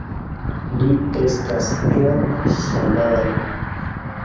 Li estas granda ŝamano!